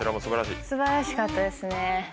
素晴らしかったですね。